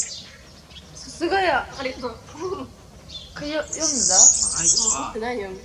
The statement of the theorem, below, is as formulated by Stephen Smale.